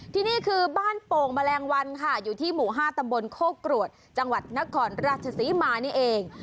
ที่นี่คือบ้านโป่งแมลงวันค่ะอยู่ที่หมู่๕ตำบลโคกรวดจังหวัดนครราชศรีมานี่เอง